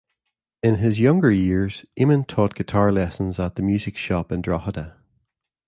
In his younger years Eamonn taught guitar lessons at the "Music Shop" in Drogheda.